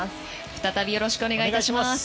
再びよろしくお願いいたします。